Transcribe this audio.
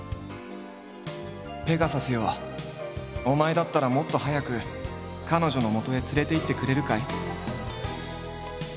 「ペガサスよお前だったらもっと早くカノジョの元へ連れていってくれるかい？」。